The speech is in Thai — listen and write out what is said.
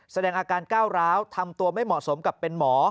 แสดงอาการก้าวร้าวทำตัวไม่เหมาะสมกับเป็นหมอ